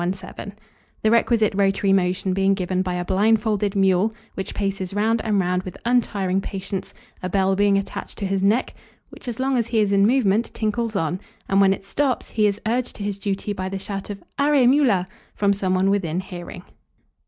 117), the requisite rotary motion being given by a blindfolded mule, which paces round and round with untiring patience, a bell being attached to his neck, which, as long as he is in movement, tinkles on; and when it stops, he is urged to his duty by the shout of "Arre, mula," from some one within hearing.